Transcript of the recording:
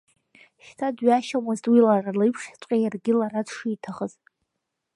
Шьҭа дҩашьомызт, уи лара леиԥшҵәҟьа иаргьы лара дшиҭахыз.